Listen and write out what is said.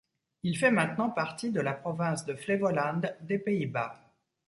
Il fait maintenant partie de la province de Flevoland des Pays-Bas.